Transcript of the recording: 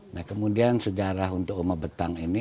nah kemudian sejarah untuk umat betang ini